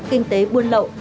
kinh tế buôn lậu